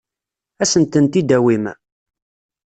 Ad asen-tent-id-tawim?